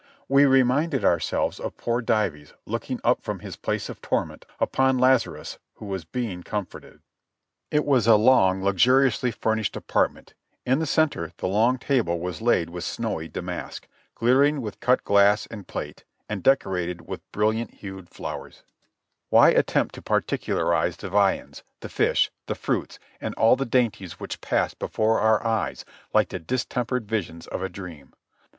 We reminded ourselves of poor Dives looking up from his place of torment "upon Lazarus, who was being com forted." It was a long, luxuriously furnished apartment; in the center the long table was laid with snowy damask, glittering with cut glass and plate, and decorated with brilliant hued flowers. 212 JOHNNY REB AND BILIvY YANK Why attempt to particularize the viands, the fish, the fruits and all the dainties which passed before our eyes like the distempered visions of a dream.